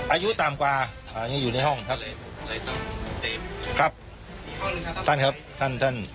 อายุต่ำกว่าอ่ายังอยู่ในห้องครับท่านครับท่านท่าน